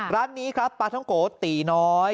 ร้านนี้ครับปลาท้องโกตีน้อย